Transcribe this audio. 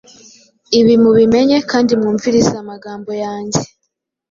ibi mubimenye kandi mwumvirize amagambo yanjye.